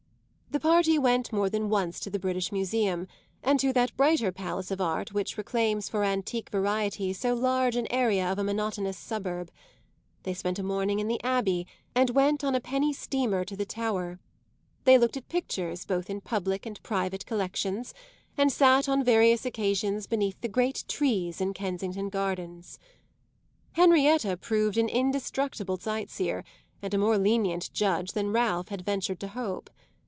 The party went more than once to the British Museum and to that brighter palace of art which reclaims for antique variety so large an area of a monotonous suburb; they spent a morning in the Abbey and went on a penny steamer to the Tower; they looked at pictures both in public and private collections and sat on various occasions beneath the great trees in Kensington Gardens. Henrietta proved an indestructible sight seer and a more lenient judge than Ralph had ventured to hope.